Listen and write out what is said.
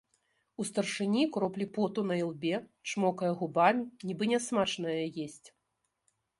У старшыні кроплі поту на ілбе, чмокае губамі, нібы нясмачнае есць.